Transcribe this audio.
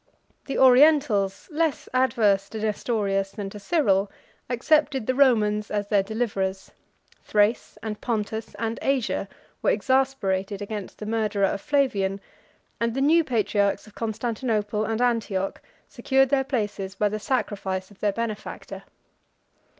The Orientals, less adverse to Nestorius than to Cyril, accepted the Romans as their deliverers: Thrace, and Pontus, and Asia, were exasperated against the murderer of Flavian, and the new patriarchs of Constantinople and Antioch secured their places by the sacrifice of their benefactor.